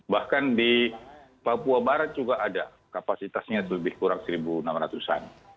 bahkan di papua barat juga ada kapasitasnya lebih kurang satu enam ratus an